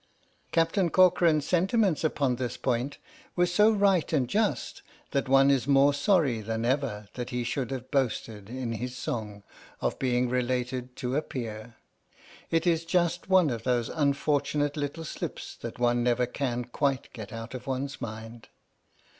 Captain Corcoran's sentiments upon this point were so right and just that one is more sorry than ever that he should have boasted, in his song, of being related to a peer. It is just one of those un fortunate little slips that one never can quite get out of one's mind.